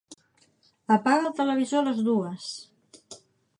Apaga el televisor a les dues.